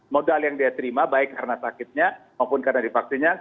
modal yang dia terima baik karena sakitnya maupun karena divaksinnya